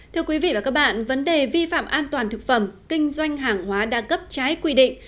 thưa quý vị và các bạn vấn đề vi phạm an toàn thực phẩm kinh doanh hàng hóa đa cấp trái quy định